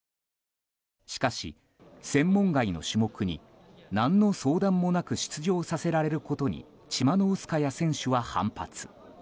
しかし、専門外の種目に何の相談もなく出場させられることにチマノウスカヤ選手は反発。